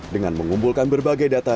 dengan mengumpulkan berbagai data